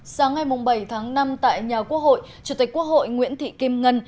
sáng ngày bảy tháng năm tại nhà quốc hội chủ tịch quốc hội nguyễn thị kim ngân